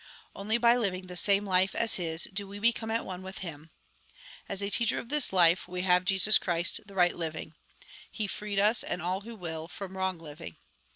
Only by living the same life as His, do we be come at one with Him. As a teacher of this life, we have Jesus Christ, the right living. He freed us and all who will, from wrong living.